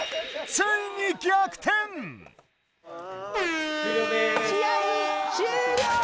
ついに試合終了！